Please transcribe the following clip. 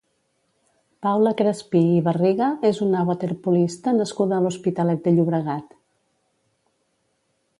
Paula Crespí i Barriga és una waterpolista nascuda a l'Hospitalet de Llobregat.